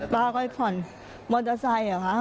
ป้าก็จะผ่อนมอเตอร์ไซค์ค่ะ